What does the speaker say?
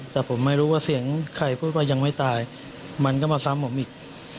แต่ผมไม่รู้ว่าเสียงใครพูดว่ายังไม่ตายมันก็มาซ้ำผมอีก